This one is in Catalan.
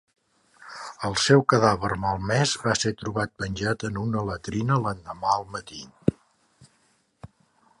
El seu cadàver malmès va ser trobat penjat en una latrina l'endemà al matí.